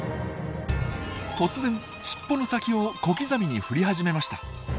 突然しっぽの先を小刻みに振り始めました。